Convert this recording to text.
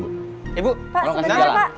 ibu pak sebentar pak